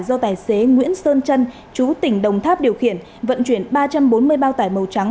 do tài xế nguyễn sơn trân chú tỉnh đồng tháp điều khiển vận chuyển ba trăm bốn mươi bao tải màu trắng